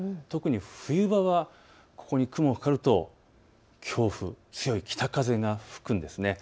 特に冬場はこの雲がかかると強風、強い北風が吹くんです。